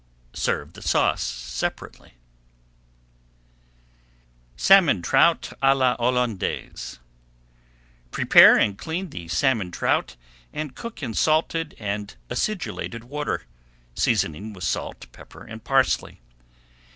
Serve the sauce separately, SALMON TROUT À LA HOLLANDAISE Prepare and clean the salmon trout and cook in salted and acidulated water, seasoning with salt, pepper, and parsley.